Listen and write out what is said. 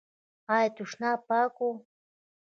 ایا تشناب پاک و؟